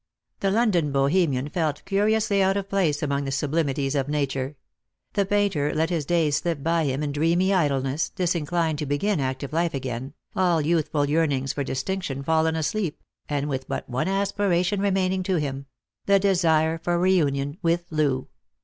The London Bohemian felt curiously out of place among the sublimities of nature ; the painter let his days slip by him in dreamy idleness, disinclined to begin active life again, all youthful yearnings for distinction fallen asleep, and with but one aspiration remaining to him — the desire for reunion with Loo.